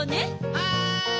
はい！